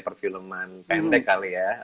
perfilman pendek kali ya